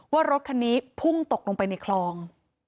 ว่ารถคันนี้พุ่งตกลงไปในคลอง